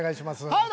はい！